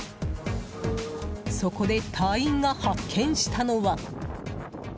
そこで隊員が発見したのは。